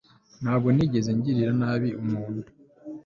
Ntabwo nigeze ngirira nabi umuntu